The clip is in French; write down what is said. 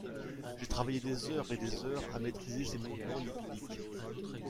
J’ai travaillé des heures et des heures à maîtriser ces mouvements lipidiques.